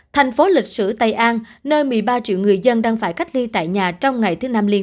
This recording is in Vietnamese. thành phố lịch sử tây an nơi một mươi ba triệu người dân đang phải cách ly tại nhà trong ngày thứ năm liên